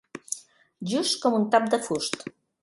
Just com un tap de fust.